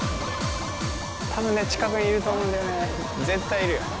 たぶんね、近くにいると思うんだ絶対いるよ。